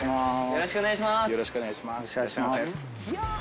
よろしくお願いします。